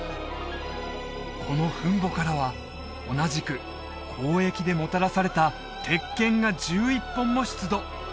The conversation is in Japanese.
この墳墓からは同じく交易でもたらされた鉄剣が１１本も出土